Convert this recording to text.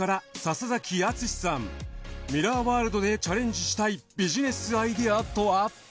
ミラーワールドでチャレンジしたいビジネスアイデアとは。